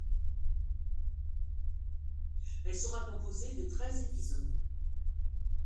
Elle sera composée de treize épisodes.